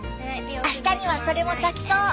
あしたにはそれも咲きそう。